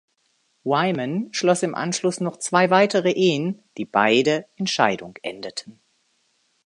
Wyman schloss im Anschluss noch zwei weitere Ehen, die beide in Scheidung endeten.